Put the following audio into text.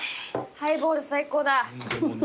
ハイボール最高だ。